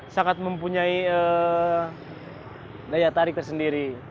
sangat mempunyai daya tarik tersendiri